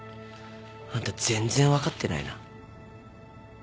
あんた全然分かってないな。